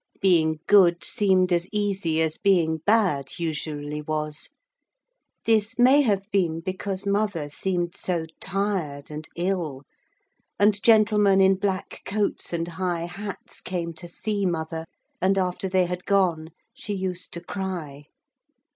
Being good seemed as easy as being bad usually was. This may have been because mother seemed so tired and ill; and gentlemen in black coats and high hats came to see mother, and after they had gone she used to cry.